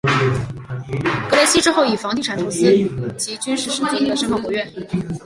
格雷西之后以房地产投资及军事史作家的身分活跃。